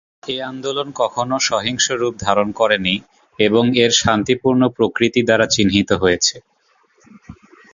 এ আন্দোলন কখনও সহিংস রূপ ধারণ করেনি এবং এর শান্তিপূর্ণ প্রকৃতি দ্বারা চিহ্নিত হয়েছে।